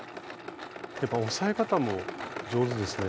やっぱ押さえ方も上手ですね。